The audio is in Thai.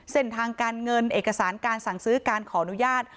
เส้นทางการเงินเอกสารการสั่งซื้อการขออนุญาต